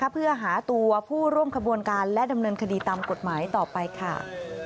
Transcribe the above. เพื่อหาตัวผู้ร่วมขบวนการและดำเนินคดีตามกฎหมายต่อไปค่ะ